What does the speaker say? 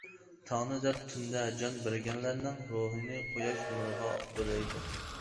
تاڭنى دەپ تۈندە جان بەرگەنلەرنىڭ روھىنى قۇياش نۇرغا بۆلەيدۇ.